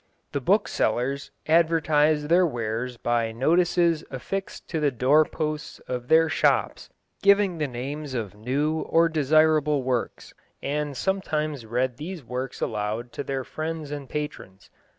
The booksellers advertised their wares by notices affixed to the door posts of their shops, giving the names of new or desirable works, and sometimes read these works aloud to their friends and patrons.